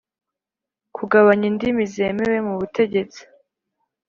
Kugabanya indimi zemewe mu butegetsi.